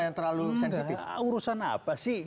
yang terlalu sensitif urusan apa sih